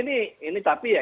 ini tapi ya